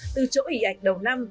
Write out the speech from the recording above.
từ chỗ ủy ảnh đầu năm